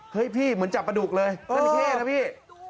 พี่เหมือนจับกระดูกเลยจราเข้นะพี่